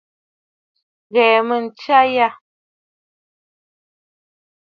Ghɛ̀ɛ mèʼe ntsàʼà jyâ.